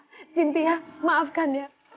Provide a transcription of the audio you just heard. masa sudah mudah mendatangkan diri